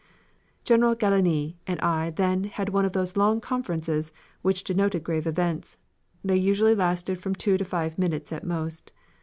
"General Gallieni and I then had one of those long conferences which denoted grave events; they usually lasted from two to five minutes at most.